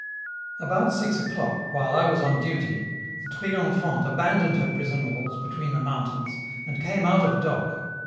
About six o'clock, while I was on duty, the 'Triomphante' abandoned her prison walls between the mountains and came out of dock.